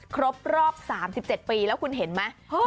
ครบรอบ๓๗ปีแล้วคุณเห็นไหม